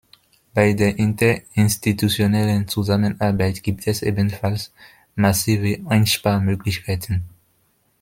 Bei der interinstitutionellen Zusammenarbeit gibt es ebenfalls massive Einsparmöglichkeiten.